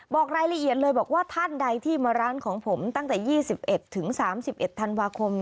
บอกรายละเอียดเลยบอกว่าท่านใดที่มาร้านของผมตั้งแต่ยี่สิบเอ็ดถึงสามสิบเอ็ดถันวาคม